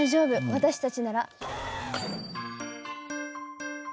私たちなら。